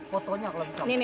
fotonya kalau bisa bu